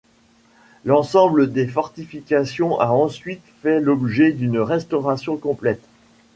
L'ensemble des fortifications a ensuite fait l'objet d'une restauration complète.